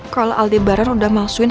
kalau aldi baran udah malsuin